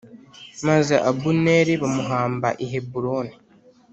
Maze Abuneri bamuhamba i Heburoni